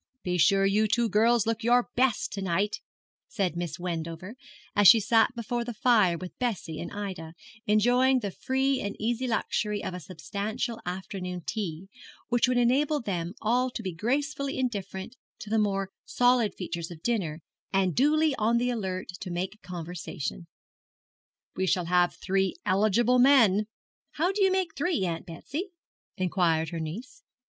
'Be sure you two girls look your best to night,' said Miss Wendover, as she sat before the fire with Bessie and Ida, enjoying the free and easy luxury of a substantial afternoon tea, which would enable them all to be gracefully indifferent to the more solid features of dinner, and duly on the alert, to make conversation. 'We shall have three eligible men.' 'How do you make three, Aunt Betsy?' inquired her niece.